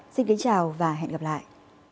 xin kính chào và hẹn gặp lại